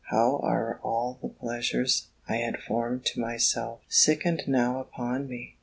how are all the pleasures I had formed to myself sickened now upon me!